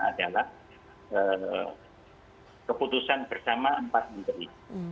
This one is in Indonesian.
adalah keputusan bersama empat menteri